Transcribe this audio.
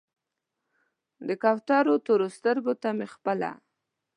د کوترو تورو سترګو ته مې خپله